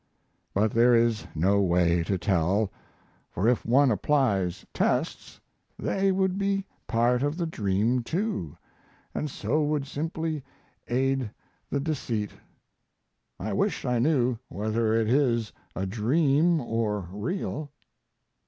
But there is no way to tell, for if one applies tests they would be part of the dream, too, & so would simply aid the deceit. I wish I knew whether it is a dream or real.